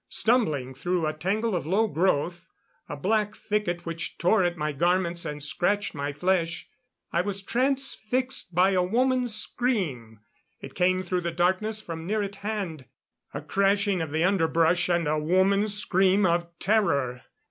Stumbling through a tangle of low growth a black thicket which tore at my garments and scratched my flesh I was transfixed by a woman's scream. It came through the darkness from near at hand. A crashing of the underbrush, and a woman's scream of terror.